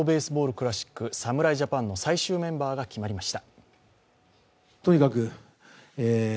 クラシック、侍ジャパンの最終メンバーが決まりました。